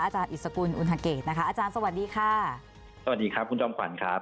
อาจารย์อิสกุลอุณหาเกตนะคะอาจารย์สวัสดีค่ะ